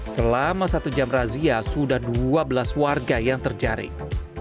selama satu jam razia sudah dua belas warga yang terjaring